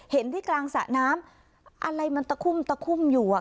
เห็นที่กลางสระน้ำอะไรมันตะคุ่มตะคุ่มอยู่อ่ะ